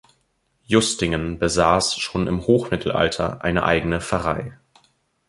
Justingen besaß schon im Hochmittelalter eine eigene Pfarrei.